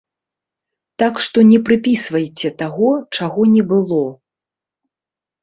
Так што не прыпісвайце таго, чаго не было.